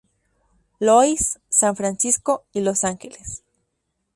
Louis, San Francisco y Los Angeles.